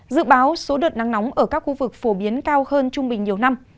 dự báo số đợt nắng nóng ở các khu vực phổ biến cao hơn trung bình nhiều năm